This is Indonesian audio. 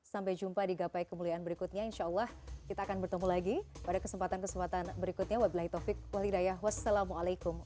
sampai jumpa di gap kemuliaan berikutnya insyaallah kita akan bertemu lagi pada kesempatan kesempatan berikutnya wa bila'i taufiq walhidayah wassalamualaikum